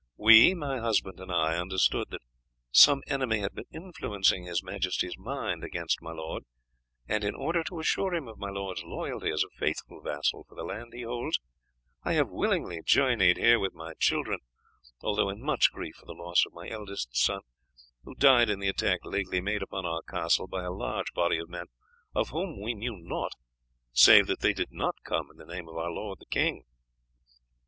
"We, my husband and I, understood that some enemy had been influencing His Majesty's mind against my lord, and in order to assure him of my lord's loyalty as a faithful vassal for the land he holds, I have willingly journeyed here with my children, although in much grief for the loss of my eldest son, who died in the attack lately made upon our castle by a large body of men, of whom we knew naught, save that they did not come in the name of our lord the king."